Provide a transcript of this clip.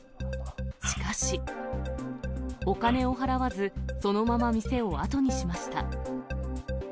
しかし、お金を払わず、そのまま店を後にしました。